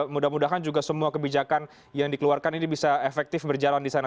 mudah mudahan juga semua kebijakan yang dikeluarkan ini bisa efektif berjalan di sana